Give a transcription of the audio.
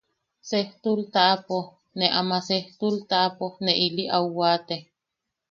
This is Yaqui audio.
Sestul taʼapo... ne ama sestul taʼapo... ne ili au waate.